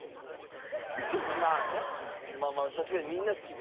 まあまあ確かにみんな好きですよね。